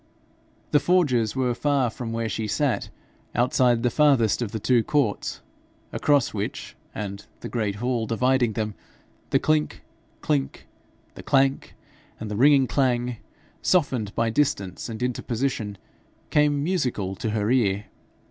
The forges were far from where she sat, outside the farthest of the two courts, across which, and the great hall dividing them, the clink, clink, the clank, and the ringing clang, softened by distance and interposition, came musical to her ear.